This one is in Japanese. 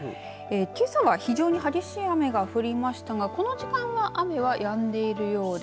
けさは非常に激しい雨が降りましたがこの時間は雨がやんでいるようです。